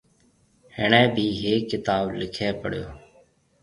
هڻي ڀِي هيڪ ڪتآب لِکي پڙيو۔